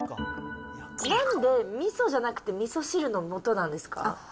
なんでみそじゃなくて、みそ汁のもとなんですか。